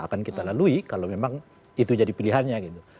akan kita lalui kalau memang itu jadi pilihannya gitu